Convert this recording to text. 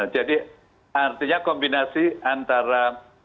jadi artinya kombinasi antara